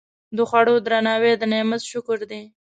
د خوړو درناوی د نعمت شکر دی.